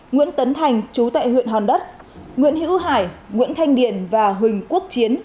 nguyễn tấn thành chú tại huyện hòn đất nguyễn hữu hải nguyễn thanh điền và huỳnh quốc chiến